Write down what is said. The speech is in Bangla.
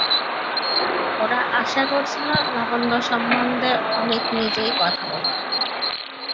ওরা আশা করেছিল, লাবণ্য সম্বন্ধে অমিত নিজেই কথা তুলবে।